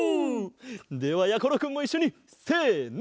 ではやころくんもいっしょにせの。